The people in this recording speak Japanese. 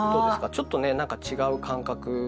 ちょっとねなんか違う感覚。